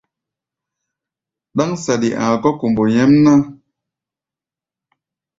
Ɗáŋ saɗi a̧a̧ kɔ̧́ kombo nyɛ́mná.